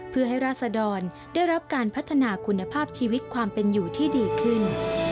เพื่อให้ราศดรได้รับการพัฒนาคุณภาพชีวิตความเป็นอยู่ที่ดีขึ้น